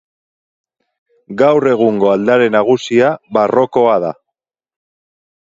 Gaur egungo aldare nagusia barrokoa da.